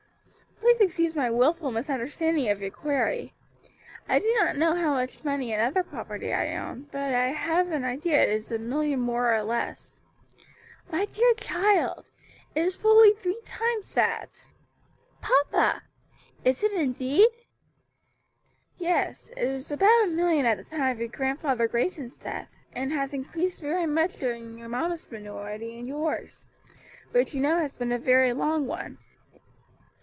Please excuse my wilful misunderstanding of your query. I do not know how much money and other property I own, but have an idea it is a million more or less." "My dear child! it is fully three times that." "Papa! is it indeed?" "Yes, it was about a million at the time of your Grandfather Grayson's death, and has increased very much during your mamma's minority and yours; which you know has been a very long one.